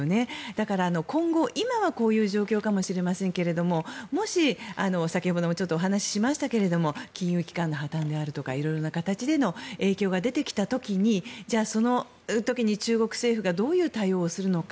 だから今後今はこういう状況かもしれませんがもし、先ほどもちょっとお話しましたけれども金融危機の破たんであるとか色んな形での影響が出てきた時に中国政府がどういう対応をするのか。